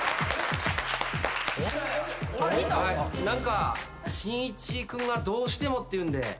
何かしんいち君がどうしてもっていうんで。